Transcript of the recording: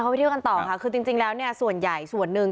ไปเที่ยวกันต่อค่ะคือจริงแล้วเนี่ยส่วนใหญ่ส่วนหนึ่ง